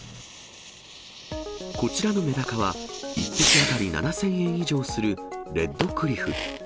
こちらのめだかは、１匹当たり７０００円以上するレッドクリフ。